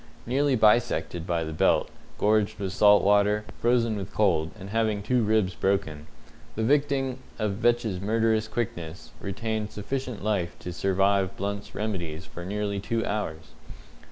Nearly bisected by the belt, gorged with salt water, frozen with cold, and having two ribs broken, the victim of Vetch's murderous quickness retained sufficient life to survive Blunt's remedies for nearly two hours.